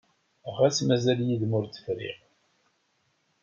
Xas mazal yid-m ur tt-friɣ.